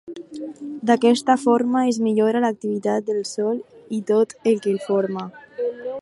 D'aquesta forma, es millora l'activitat del sòl i tot el que el forma.